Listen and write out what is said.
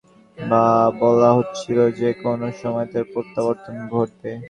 কংগ্রেসের বিভিন্ন সূত্র থেকে সেদিন বলা হচ্ছিল, যেকোনো সময় তাঁর প্রত্যাবর্তন ঘটবে।